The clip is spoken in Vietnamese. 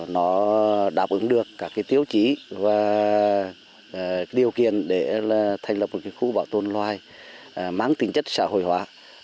nó đáp ứng được các cái tiêu chí và điều kiện để là thành lập một cái khu bảo tồn loài mang tính chất xã hồi hóa